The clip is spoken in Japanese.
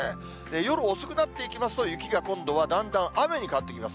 夜遅くなっていきますと、雪が今度はだんだん雨に変わってきます。